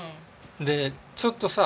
でちょっとさ。